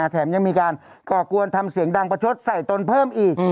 แถมยังมีการก่อกวนทำเสียงดังประชดใส่ตนเพิ่มอีก